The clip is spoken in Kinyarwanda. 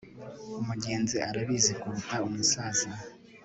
umugenzi arabizi kuruta umusaza